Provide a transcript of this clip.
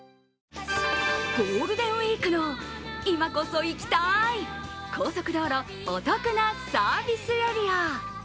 ゴールデンウイークの今こそ行きたい高速道路、お得なサービスエリア。